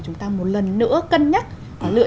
dù rằng là nó thật là